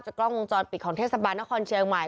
กล้องวงจรปิดของเทศบาลนครเชียงใหม่